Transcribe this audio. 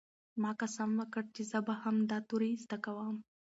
ما قسم وکړ چې زه به هم دا توري زده کوم.